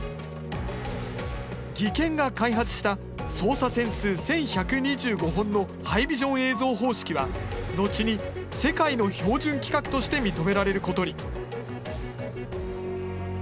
技研が開発した走査線数１，１２５本のハイビジョン映像方式は後に世界の標準規格として認められることに。